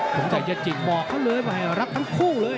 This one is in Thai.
ผมจะจิบมอบเขาเลยรักทั้งคู่เลย